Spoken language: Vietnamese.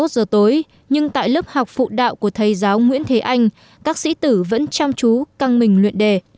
hai mươi một giờ tối nhưng tại lớp học phụ đạo của thầy giáo nguyễn thế anh các sĩ tử vẫn chăm chú căng mình luyện đề